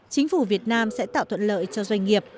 chính phủ việt nam sẽ tạo thuận lợi cho doanh nghiệp